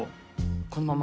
このまま。